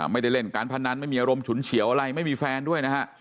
ไม่ได้เล่นการพนันไม่มีอารมณ์ฉุนเฉียวอะไรไม่มีแฟนด้วยนะฮะ